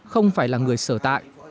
không phải là người sở tại